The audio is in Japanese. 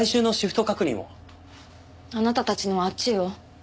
あなたたちのはあっちよ。